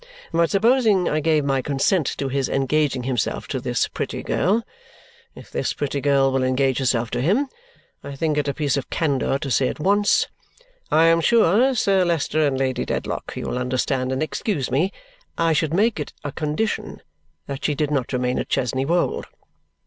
But supposing I gave my consent to his engaging himself to this pretty girl, if this pretty girl will engage herself to him, I think it a piece of candour to say at once I am sure, Sir Leicester and Lady Dedlock, you will understand and excuse me I should make it a condition that she did not remain at Chesney Wold.